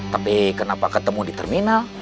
tapi kenapa ketemu di terminal